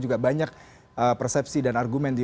juga banyak persepsi dan argumen di